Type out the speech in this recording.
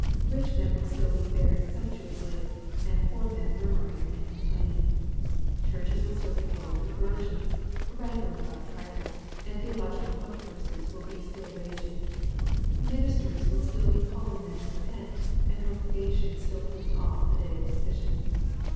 Eich men will still be faring sumptuously, and poor men murmuring and complaining. Churches will still be full of divisions, and wrangling about trifles, and theological controversies will be still raging. Ministers will still be calling men to repent, and congregations still putting off the day of decision.